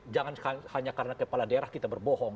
jangan hanya karena kepala daerah kita berbohong